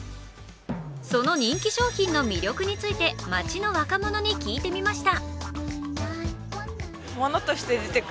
その人気商品の魅力について街の若者に聞いてみました。